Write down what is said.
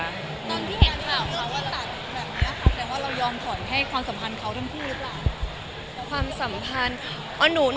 ตอนที่คุยกับเค้าว่าตัดแบบนี้ค่ะแต่ว่าเรายอมถอยให้ความสัมพันธ์เค้าทั้งคู่หรือเปล่า